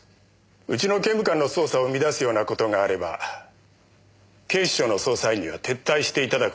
うちの刑務官の捜査を乱すようなことがあれば警視庁の捜査員には撤退していただくこともあります。